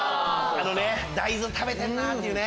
大豆食べてんな！っていうね。